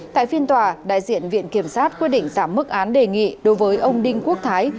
tại phiên tòa đại diện viện kiểm sát quyết định giảm mức án đề nghị đối với ông đinh quốc thái